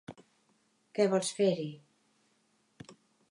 Què vols fer-hi.